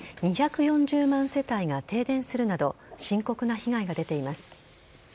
２４０万世帯が停電するなど深刻な被害が出ています。